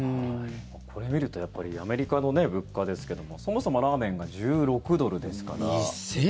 これ見るとやっぱりアメリカの物価ですけどもそもそもラーメンが１６ドルですから。